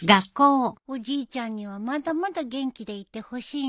おじいちゃんにはまだまだ元気でいてほしいんだ。